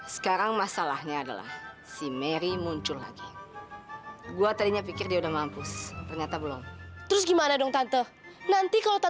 sampai jumpa di video selanjutnya